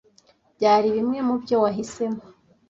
byari bimwe mubyo wahisemo.